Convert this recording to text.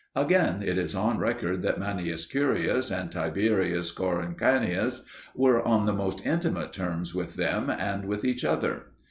Again, it is on record that Manius Curius and Tiberius Coruncanius were on the most intimate terms with them and with each other.